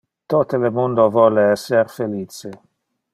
Tote le mundo vole esser felice.